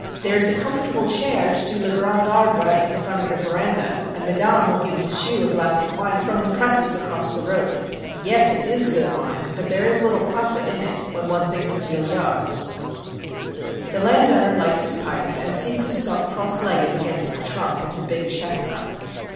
There is a comfortable chair sous le grand arbre in front of the veranda, and Madame will give M'sieu' a glass of wine from the presses, across the road. Yes, it is good wine, but there is little profit in it, when one thinks in milliards. The landowner lights his pipe and seats himself cross legged against the trunk of the big chestnut.